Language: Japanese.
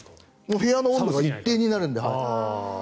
部屋の温度が一定になるので。